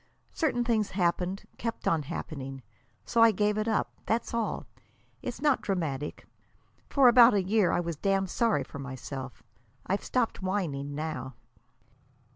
Certain things happened; kept on happening. So I gave it up. That's all. It's not dramatic. For about a year I was damned sorry for myself. I've stopped whining now."